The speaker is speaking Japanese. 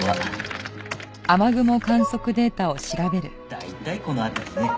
大体この辺りね。